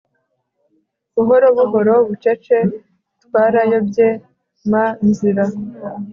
Buhorobuhoro bucece twarayobye mnzira